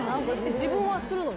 自分はするのに？